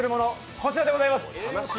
こちらでございます！